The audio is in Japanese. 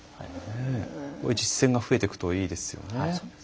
こういう実践が増えていくといいですよね。